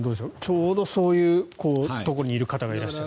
ちょうどそういうところにいる方がいらっしゃる。